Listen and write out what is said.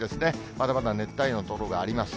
まだまだ熱帯夜の所があります。